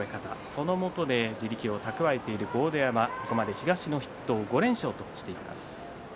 その下で地力を蓄えている豪ノ山、ここまで東の筆頭５連勝としています。